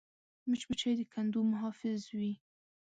مچمچۍ د کندو محافظ وي